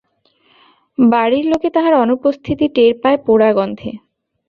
বাড়ির লোকে তাহার অনুপস্থিতি টের পায় পোড়া গন্ধে।